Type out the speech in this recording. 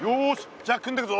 じゃあ組んでくぞ。